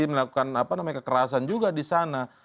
melakukan kekerasan juga disana